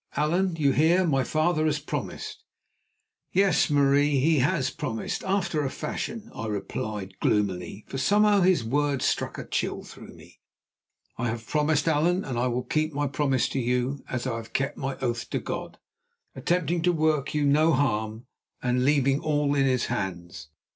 "Allan, you hear, my father has promised?" "Yes, Marie, he has promised—after a fashion," I replied gloomily, for somehow his words struck a chill through me. "I have promised, Allan, and I will keep my promise to you, as I have kept my oath to God, attempting to work you no harm, and leaving all in His hands.